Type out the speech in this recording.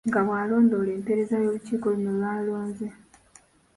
Nga bwalondoola empeereza y’olukiiko luno lwalonze.